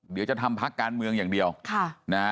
เดี๋ยวจะทำพักการเมืองอย่างเดียวค่ะนะฮะ